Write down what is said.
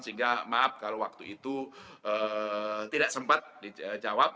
sehingga maaf kalau waktu itu tidak sempat dijawab